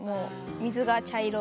水が茶色